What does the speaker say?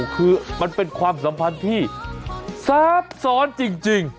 คือมันเป็นความสัมพันธ์ที่ซับซ้อนจริง